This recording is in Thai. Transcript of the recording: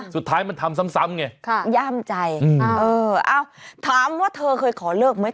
สุดท้ายมันทำซ้ำซ้ำไงค่ะย่ามใจอืมเออเอ้าถามว่าเธอเคยขอเลิกไหม